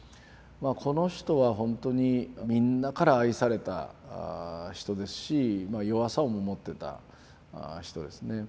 この人はほんとにみんなから愛された人ですし弱さも持ってた人ですね。